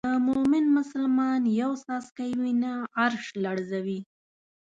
د مومن مسلمان یو څاڅکی وینه عرش لړزوي.